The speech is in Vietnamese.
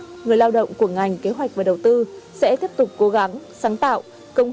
và người lao động ngành kế hoạch và đầu tư với những trái tim chàn đầy khát vọng